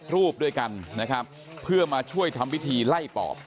รูปด้วยกันนะครับเพื่อมาช่วยทำพิธีไล่ปอบ